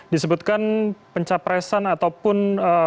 disebutkan pencapresan ataupun